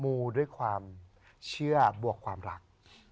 ูด้วยความเชื่อบวกความรัก